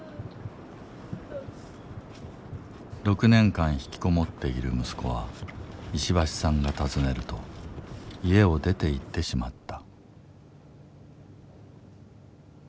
６年間ひきこもっている息子は石橋さんが訪ねると家を出ていってしまった。